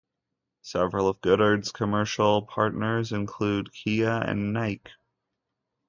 Several of Goddard's commercial partners include Kia and Nike.